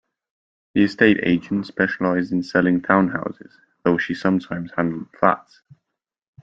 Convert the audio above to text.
The estate agent specialised in selling townhouses, though she sometimes handled flats